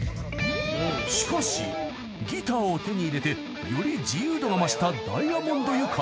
［しかしギターを手に入れてより自由度が増したダイアモンドユカイは］